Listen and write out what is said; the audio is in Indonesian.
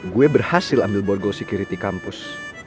gue berhasil ambil borgo security kampus